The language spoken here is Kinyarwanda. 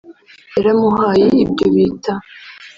yaramuhaye ibyo bita